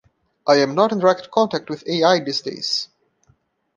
I am not in direct contact with Al these days.